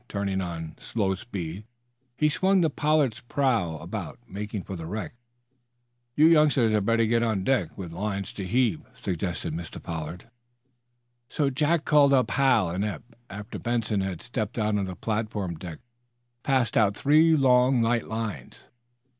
Turning on slow speed, he swung the "Pollard's" prow about, making for the wreck. "You youngsters had better get out on deck, with lines to heave," suggested Mr. Pollard. So Jack called up Hal and Eph. After Benson had stepped out on the platform deck Hal passed out three long, light lines.